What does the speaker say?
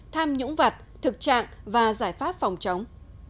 tham nhũng vật thực trạng và giải pháp phòng chống